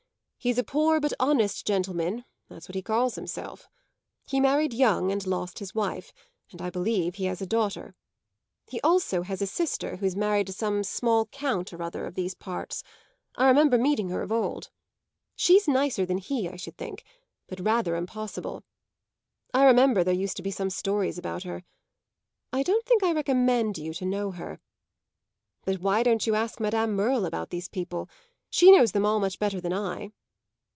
He's a poor but honest gentleman that's what he calls himself. He married young and lost his wife, and I believe he has a daughter. He also has a sister, who's married to some small Count or other, of these parts; I remember meeting her of old. She's nicer than he, I should think, but rather impossible. I remember there used to be some stories about her. I don't think I recommend you to know her. But why don't you ask Madame Merle about these people? She knows them all much better than I."